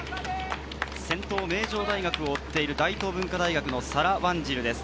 先頭・名城大学を追っている大東文化大学のサラ・ワンジルです。